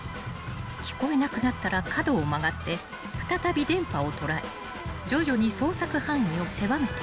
［聞こえなくなったら角を曲がって再び電波を捉え徐々に捜索範囲を狭めていく］